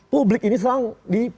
publik ini selalu di